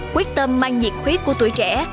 quyết tâm mang nhiệt huyết của tuổi trẻ